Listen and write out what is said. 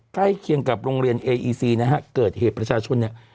ใกล้เคียงกับโรงเรียนเออีซีนะฮะเกิดเหตุประชาชนเนี่ย